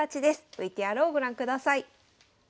ＶＴＲをご覧ください。